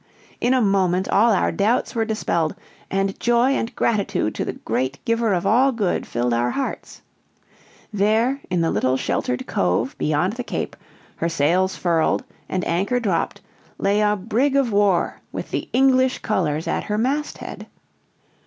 In a moment all our doubts were dispelled, and joy and gratitude to the Great Giver of all good filled our hearts. There, in the little sheltered cove beyond the cape, her sails furled, and anchor dropped, lay a brig of war with the English colors at her masthead.